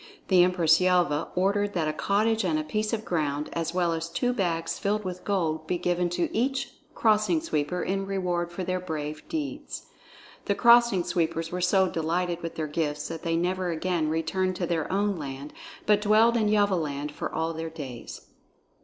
The Empress Yelva ordered that a cottage and a piece of ground, as well as two bags filled with gold, be given to each Crossing Sweeper in reward for their brave deeds. The Crossing Sweepers were so delighted with their gifts that they never again returned to their own land but dwelled in Yelvaland for all their days.